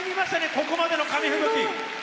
ここまでの紙吹雪。